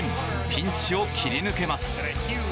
ピンチを切り抜けます。